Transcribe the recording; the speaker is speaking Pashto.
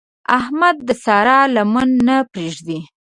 احمد د سارا لمن نه پرېږدي.